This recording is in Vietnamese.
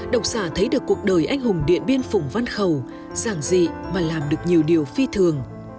độc giả thấy được cuộc đời anh hùng điện biên phủng văn khẩu giảng dị mà làm được nhiều điều phi thường